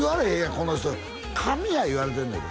この人神やいわれてんねんで？